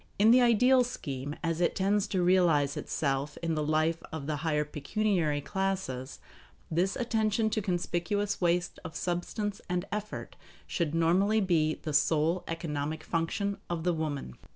In the ideal scheme, as it tends to realize itself in the life of the higher pecuniary classes, this attention to conspicuous waste of substance and effort should normally be the sole economic function of the woman.